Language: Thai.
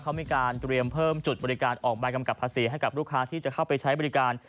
เขามีการเตรียมเพิ่มจุดบริการออกใบกำกับภาษีให้กับลูกค้าที่จะเข้าไปใช้บริการ